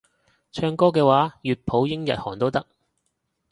唱歌嘅話粵普英日韓都得